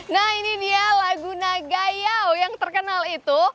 nah ini dia laguna gayau yang terkenal itu